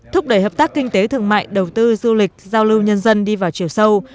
thúc đẩy hợp tác kinh tế thương mại đầu tư du lịch giao lưu nhân dân đi vào chiều sâu